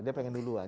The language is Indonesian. dia pengen duluan